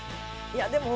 いやでも。